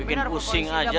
bikin pusing aja